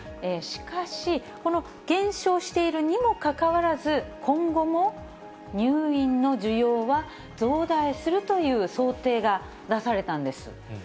しかし、この減少しているにもかかわらず、今後も入院の需要は増大するという想定が出されたんです。